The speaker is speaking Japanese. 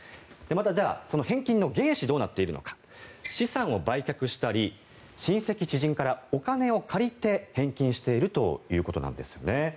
また、じゃあ返金の原資はどうなっているのか資産を売却したり親戚、知人からお金を借りて返金しているということなんですよね。